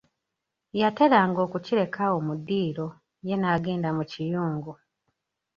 Yateranga okukireka awo mu ddiiro, ye n'agenda mu kiyungu.